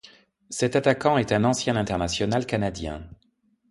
Cet attaquant est un ancien international canadien.